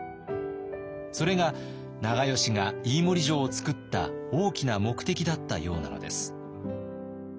それが長慶が飯盛城を造った大きな目的だったようなのです。